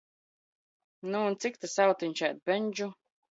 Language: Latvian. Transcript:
nu, un cik tas autiņš ēd bendžu?